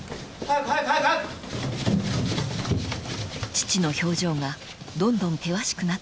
［父の表情がどんどん険しくなっていきます］